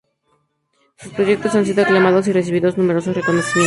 Sus proyectos han sido aclamados y recibidos numerosos reconocimientos.